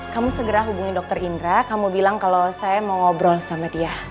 kamu segera hubungi dokter indra kamu bilang kalau saya mau ngobrol sama dia